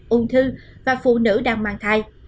ung thư và phụ nữ đang mang thai